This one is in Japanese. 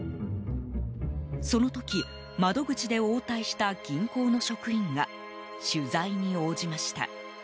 その時、窓口で応対した銀行の職員が取材に応じました。